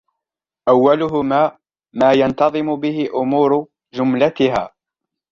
أَوَّلُهُمَا مَا يَنْتَظِمُ بِهِ أُمُورُ جُمْلَتهَا